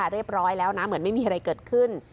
เรียบร้อยแล้วนะเหมือนไม่มีอะไรเกิดขึ้น